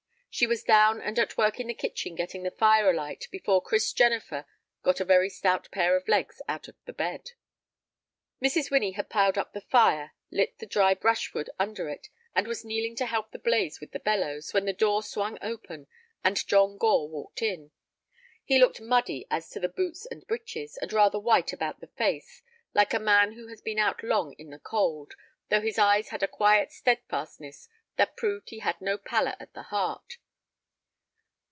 She was down and at work in the kitchen getting the fire alight before Chris Jennifer got a very stout pair of legs out of the bed. Mrs. Winnie had piled up the fire, lit the dry brushwood under it, and was kneeling to help the blaze with the bellows, when the door swung open, and John Gore walked in. He looked muddy as to the boots and breeches, and rather white about the face, like a man who has been out long in the cold, though his eyes had a quiet steadfastness that proved he had no pallor at the heart.